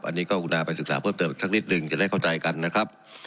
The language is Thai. อันนี้กรุณาไปศึกษาเพิ่มเติมสักนิดหนึ่งจะได้เข้าใจกันนะครับ